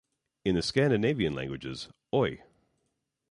In the Scandinavian languages, Oi!